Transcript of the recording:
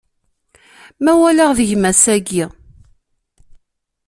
Ma walaɣ deg-m ass-agi.